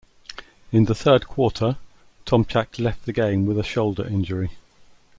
In the third quarter, Tomczak left the game with a shoulder injury.